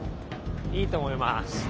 いいと思います。